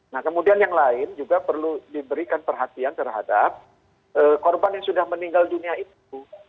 nah kemudian yang lain juga perlu diberikan perhatian terhadap korban yang sudah meninggal dunia itu